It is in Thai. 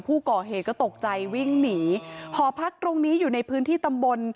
ผู้ก่อเหตุก็ตกใจวิ่งหนีหอพักตรงนี้อยู่ในพื้นที่ตำบล